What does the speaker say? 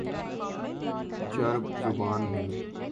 چرب زبان ہوں